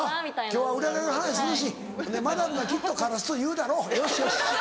「今日は占いの話するしマダムがきっとカラスと言うだろうよしよし」。